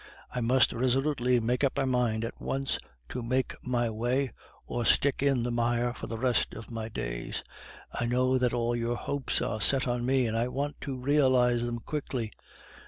I must resolutely make up my mind at once to make my way, or stick in the mire for the rest of my days. I know that all your hopes are set on me, and I want to realize them quickly.